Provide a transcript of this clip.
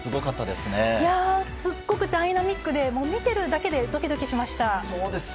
すごくダイナミックで見ているだけでドキドキしました。